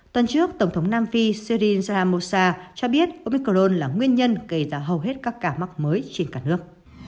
tuần trước tổng thống nam phi sirin saramosa cho biết omicron là nguyên nhân gây ra hầu hết các ca mắc mới trên cả nước